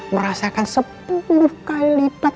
merasakan sepuluh kali lipat